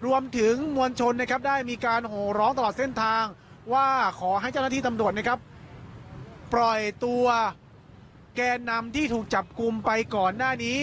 มวลชนนะครับได้มีการโหร้องตลอดเส้นทางว่าขอให้เจ้าหน้าที่ตำรวจนะครับปล่อยตัวแกนนำที่ถูกจับกลุ่มไปก่อนหน้านี้